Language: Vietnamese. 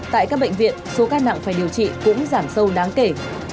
tại các bệnh viện số ca nặng phải điều trị cũng giảm sâu đáng kể